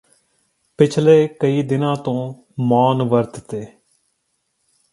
ਪਿਛਲੇ ਕਈ ਦਿਨਾਂ ਤੋਂ ਮੌਨ ਵਰਤ ਤੇ